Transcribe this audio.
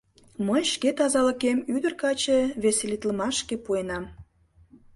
— Мый шке тазалыкем ӱдыр-каче веселитлымашке пуэнам.